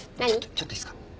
ちょっといいですか？